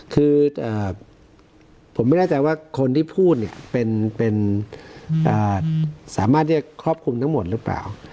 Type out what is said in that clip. คือผมไม่แน่ใจว่าคนที่พูดเนี่ยเป็นสามารถที่จะครอบคลุมทั้งหมดหรือเปล่า